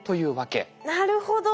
なるほど。